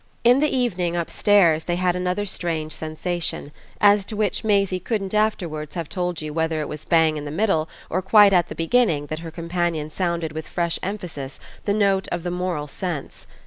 In the evening upstairs they had another strange sensation, as to which Maisie couldn't afterwards have told you whether it was bang in the middle or quite at the beginning that her companion sounded with fresh emphasis the note of the moral sense.